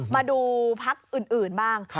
มาดูพักอื่นบ้าง